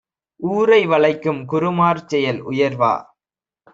ஊரை வளைக்கும்குரு மார்செயல் உயர்வா?